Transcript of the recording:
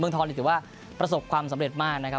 เมืองทองก็คิดว่าประสบความสำเร็จมากนะครับ